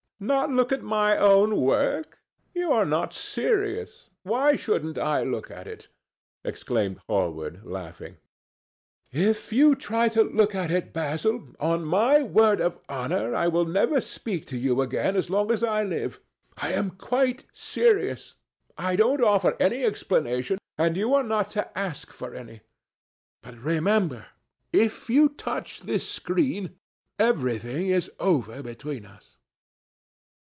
"Not look at my own work! You are not serious. Why shouldn't I look at it?" exclaimed Hallward, laughing. "If you try to look at it, Basil, on my word of honour I will never speak to you again as long as I live. I am quite serious. I don't offer any explanation, and you are not to ask for any. But, remember, if you touch this screen, everything is over between us."